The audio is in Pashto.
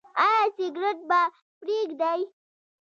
ایا سګرټ به پریږدئ؟